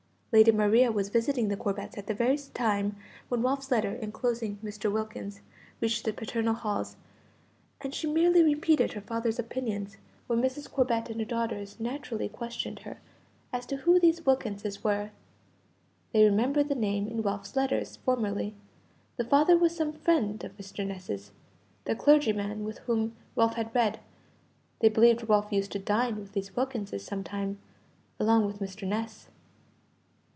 Lady Maria was visiting the Corbets at the very time when Ralph's letter, enclosing Mr. Wilkins's, reached the paternal halls, and she merely repeated her father's opinions when Mrs. Corbet and her daughters naturally questioned her as to who these Wilkinses were; they remembered the name in Ralph's letters formerly; the father was some friend of Mr. Ness's, the clergyman with whom Ralph had read; they believed Ralph used to dine with these Wilkinses sometimes, along with Mr. Ness.